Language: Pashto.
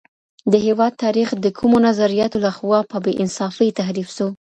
د هېواد تاریخ د کومو نظریاتو له خوا په بې انصافۍ تحریف سو؟